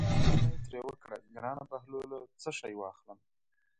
پوښتنه یې ترې وکړه: ګرانه بهلوله څه شی واخلم.